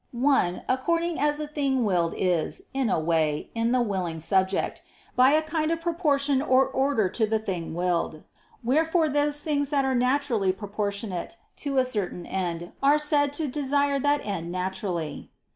One, according as the thing willed is, in a way, in the willing subject, by a kind of proportion or order to the thing willed. Wherefore those things that are naturally proportionate to a certain end, are said to desire that end naturally.